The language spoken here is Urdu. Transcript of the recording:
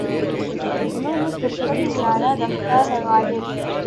جنونِ فرقتِ یارانِ رفتہ ہے غالب!